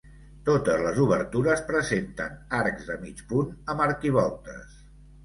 Totes les obertures presenten arcs de mig punt, amb arquivoltes.